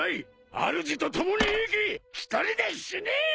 あるじと共に生き１人で死ね！